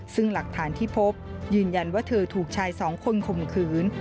ซึ่งหลักฐานที่พบยืนยันว่าเธอถูกชายสองคนข่มขืน